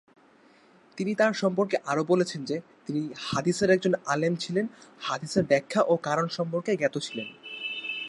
তিনি তাঁর সম্পর্কে আরও বলেছেন যে: তিনি হাদীসের একজন আলেম ছিলেন, হাদীসের ব্যাখ্যা ও কারণ সম্পর্কে জ্ঞাত ছিলেন।